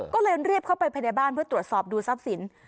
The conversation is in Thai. ก็เลยรีบเข้าไปภายในบ้านเพื่อตรวจสอบดูทรัพย์สิน